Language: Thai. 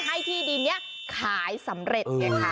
ให้ที่ดินนี้ขายสำเร็จไงคะ